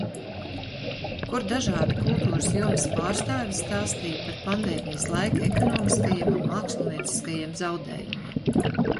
Kur dažādi kultūras jomas pārstāvji stāstīja par Pandēmijas laika ekonomiskajiem un mākslinieciskajiem zaudējumiem.